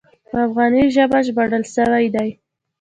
په افغاني ژبه ژباړل شوی دی.